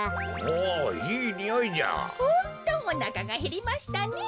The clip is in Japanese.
ホントおなかがへりましたねぇ。